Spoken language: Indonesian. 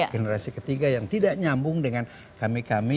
generasi ketiga yang tidak nyambung dengan kami kami